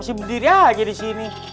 masih berdiri aja disini